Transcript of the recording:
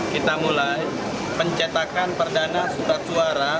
kita mulai pencetakan perdana surat suara